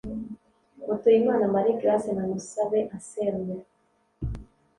Mutuyimana Marie-Grace na Nimusabe Anselme